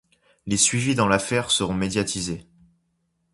Les suivis dans l'affaire seront médiatisés.